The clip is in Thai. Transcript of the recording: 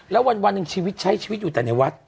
แล้ววันหนึ่งชีวิตใช้ชีวิตอยู่แต่ในวัด